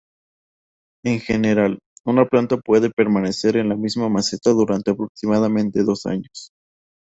En general, una planta puede permanecer en la misma maceta durante aproximadamente dos años.